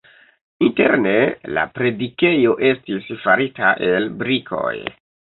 Interne la predikejo estis farita el brikoj.